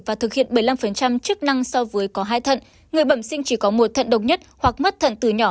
và thực hiện bảy mươi năm chức năng so với có hai thận người bẩm sinh chỉ có một thận độc nhất hoặc mất thận từ nhỏ